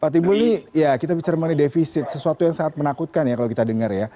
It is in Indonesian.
pak timbul kita bicara mengenai defisit sesuatu yang sangat menakutkan kalau kita dengar